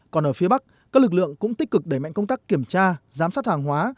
còn ở phía bắc các lực lượng cũng tích cực đẩy mạnh công tác kiểm tra giám sát hàng hóa